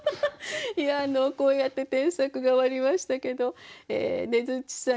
いやこうやって添削が終わりましたけどねづっちさん